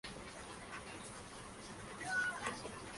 En uno de tantos combates fue hecho prisionero.